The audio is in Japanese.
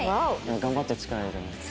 頑張って力入れてます。